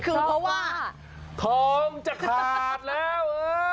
คือเพราะว่าทองจะขาดแล้ว